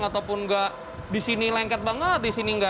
ataupun nggak disini lengket banget disini nggak